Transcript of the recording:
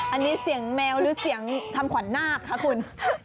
อันนี้เสียงแมวหรือเสียงทำขวัญนาคคะคุณ